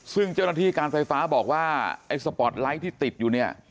ซึ่งเจ้าหน้าที่การไฟฟ้าบอกว่าไอ้สปอร์ตไลท์ที่ติดอยู่เนี่ย